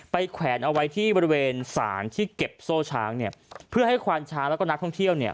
แขวนเอาไว้ที่บริเวณสารที่เก็บโซ่ช้างเนี่ยเพื่อให้ควานช้างแล้วก็นักท่องเที่ยวเนี่ย